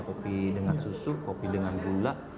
kopi dengan susu kopi dengan gula